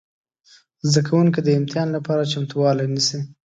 زده کوونکي د امتحان لپاره چمتووالی نیسي.